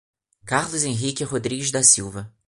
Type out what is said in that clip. Carlos Henrique Rodrigues da Silva